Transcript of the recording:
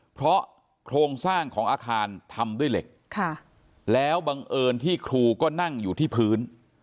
เพราะโครงสร้างของอาคารทำด้วยเหล็กแล้วบังเอิญที่ครูก็นั่งอยู่ที่พื้น